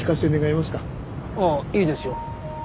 ああいいですよ。